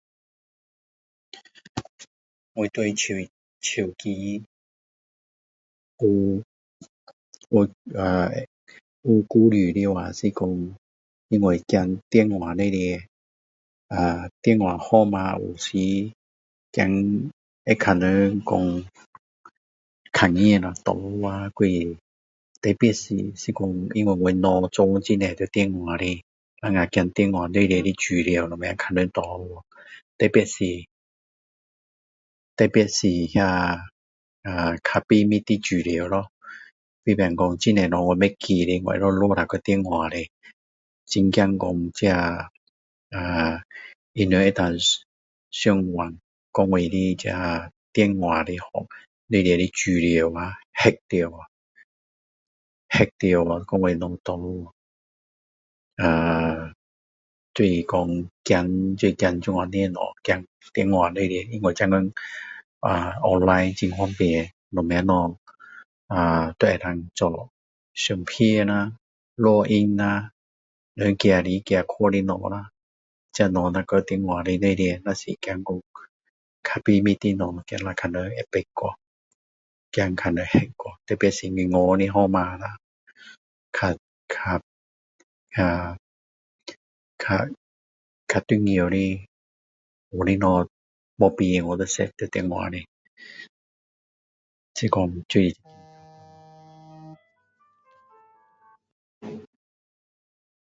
我对手机啊有顾虑的话是说因为怕电话里面啊电话号码有时怕说会被人看到拿啊还是啊因为我藏很多东西在电话的等下怕电话里面的资料什么被人拿掉特别是特别是比较秘密的资料咯比如说很多事情我不记得哟会录了放在电话里很怕说这这啊他们能够上网跟我的这个资料啊hack进去跟我东西拿掉就是说就是怕这样东西就是说现在online很方便现在很方便啊很多东西都能够做相片啦录音啦能够寄来寄去的东西这些东西若放在电话里面若是就是怕说较秘密的东西被人知道掉怕被人hack掉特别是银行号码啦较较较重要的有些东西没有变掉要save在电话里就是说就是会